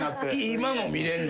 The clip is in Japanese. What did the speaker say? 今も見れんの？